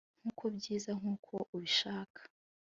Nkuko byiza nkuko ubishaka